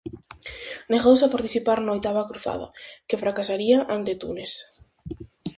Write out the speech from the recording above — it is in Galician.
Negouse a participar na Oitava Cruzada, que fracasaría ante Tunes.